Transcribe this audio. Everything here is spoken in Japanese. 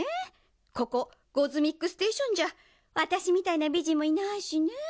ここゴズミックステーションじゃわたしみたいなびじんもいないしね。